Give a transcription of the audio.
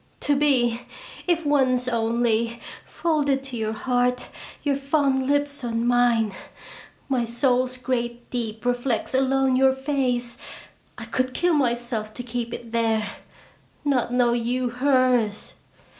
To be, if once only, folded to your heart, your fond lips on mine! My soul's great deep reflects alone your face ! I could kill myself to keep it there not know you hers!